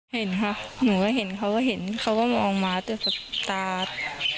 เห็นค่ะหนูก็เห็นเขาก็เห็นเขาก็มองมาแต่ตา